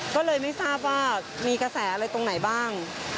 ก็เลยไม่ทราบว่ามีกระแสอะไรตรงไหนบ้าง